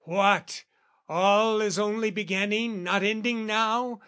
What, all is only beginning not ending now?